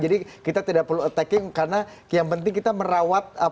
jadi kita tidak perlu attacking karena yang penting kita merawat angka angka yang sudah ada